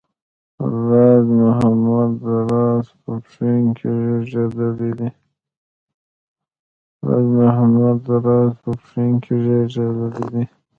راز محمد راز په پښین کې زېږېدلی دی